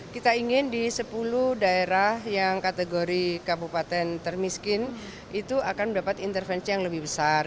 kita ingin di sepuluh daerah yang kategori kabupaten termiskin itu akan mendapat intervensi yang lebih besar